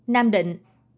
ba mươi chín nam định